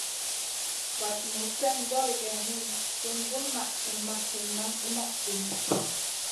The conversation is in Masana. Vaɗ muzn slèn goy geyni, sùn vulmaʼ tinʼ ma hinna, numaʼ tumu.